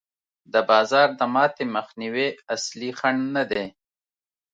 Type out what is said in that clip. د بازار د ماتې مخنیوی اصلي خنډ نه دی.